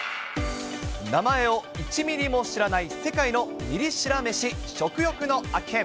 名前を１ミリも知らない世界のミリ知ら飯食欲の秋編。